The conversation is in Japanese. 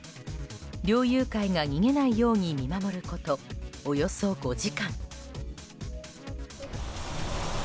猟友会が逃げないように見守ることおよそ５時間。